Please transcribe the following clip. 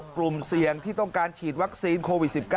กลุ่มเสี่ยงที่ต้องการฉีดวัคซีนโควิด๑๙